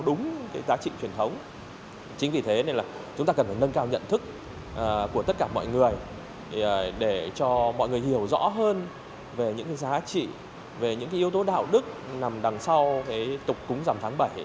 để cho mọi người hiểu rõ hơn về những giá trị về những yếu tố đạo đức nằm đằng sau tục cúng dằm tháng bảy